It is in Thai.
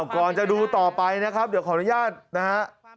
ก่อนจะดูต่อไปนะครับเดี๋ยวขออนุญาตนะฮะ